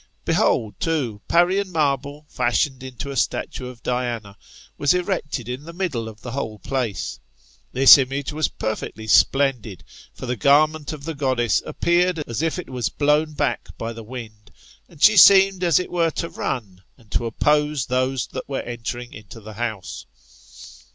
Behold, too, Parian marble fashioned into a statue of Diana, was erected in the middle of the whole place. This image was perfectly splendid ; for the garment of the goddess appeared as if it was blown back by the wind, and she seemed, as it were, to run and to •ppose those that were entering into the house.